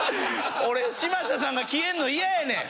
俺嶋佐さんが消えるの嫌やねん！